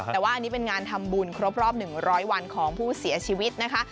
แต่ว่าอันนี้เป็นงานทำบุญครบรอบ๑๐๐วันของผู้เสียชีวิตนะคะ